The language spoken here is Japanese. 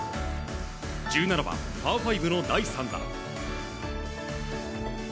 １７番、パー５の第３打。